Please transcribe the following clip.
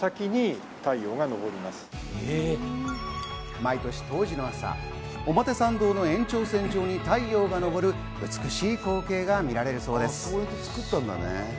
毎年、冬至の朝、表参道の延長線上に太陽が昇る、美しい光景が見られるそうです。